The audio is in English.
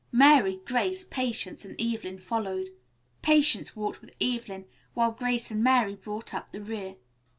Mary, Grace, Patience and Evelyn followed. Patience walked with Evelyn, while Grace and Mary brought up the rear.